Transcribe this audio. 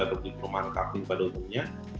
atau di perumahan kambing pada umumnya